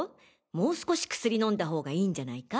もう少し薬飲んだ方がいいんじゃないか？